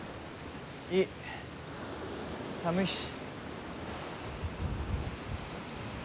いい寒いし。